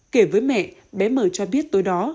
kể với mẹ bé mời cho biết tối đó